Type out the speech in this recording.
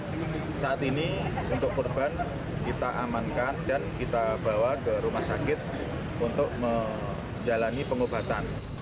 karena saat ini untuk korban kita amankan dan kita bawa ke rumah sakit untuk menjalani pengobatan